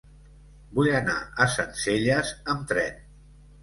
Vull anar a Sencelles amb tren.